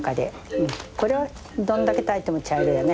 これはどんだけ炊いても茶色やね。